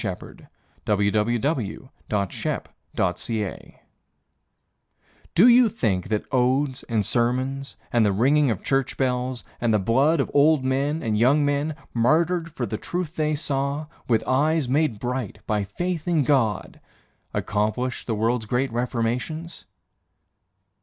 Sersmith the Dentist Do you think that odes and sermons, And the ringing of church bells, And the blood of old men and young men, Martyred for the truth they saw With eyes made bright by faith in God, Accomplished the world's great reformations?